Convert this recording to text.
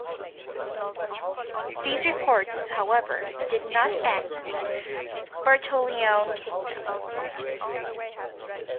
These reports, however, did not end the Bertoleone "kingdom".